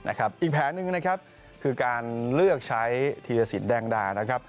อีกแผนนึงคือการเลือกใช้ธีรศิลป์แดงดาล